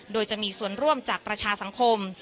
โดยจะมีส่วนร่วมจากประชาสังคม